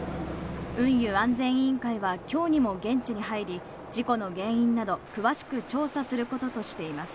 運輸安全委員会は、きょうにも現地に入り、事故の原因など詳しく調査することとしています。